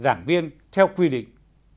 giảng viên theo quy định